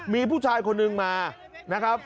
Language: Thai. มีผู้ชายคนหนึ่งมานะครับ